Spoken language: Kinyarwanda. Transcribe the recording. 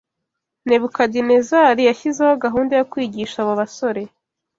Nebukadinezari yashyizeho gahunda yo kwigisha abo basore